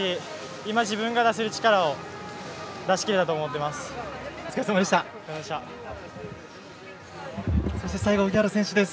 今、自分が出せる力を出しきれたと思います。